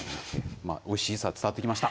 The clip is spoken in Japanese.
おいしさ、伝わってきました。